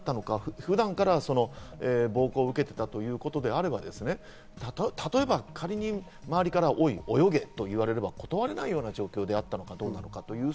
普段から暴行を受けていたということであれば例えば仮に、周りからおい、泳げと言われれば断れない状況であったかどうか。